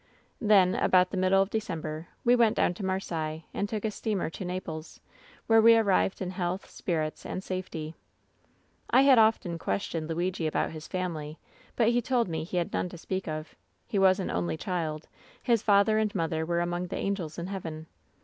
"Then, about the middle of December, we went down to Marseilles, and took a steamer to Naples, where we arrived in health, spirits and safety. "I had often questioned Luigi about his family, but he told me he had none to speak of. He was an only child ; his father and mother were among the angels in heaven.